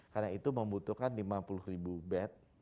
karena itu membutuhkan lima puluh ribu bed